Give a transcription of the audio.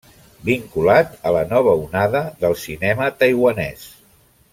Vinculat a la Nova Onada del cinema taiwanès.